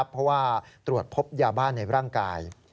เพราะว่าตรวจพบยาบ้านในร่างกาย